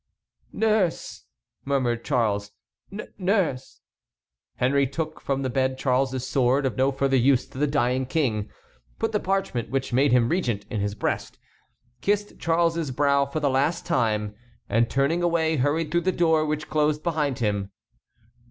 "Nurse!" murmured Charles, "nurse!" Henry took from the bed Charles's sword, of no further use to the dying King, put the parchment which made him regent in his breast, kissed Charles's brow for the last time, and turning away hurried through the door, which closed behind him.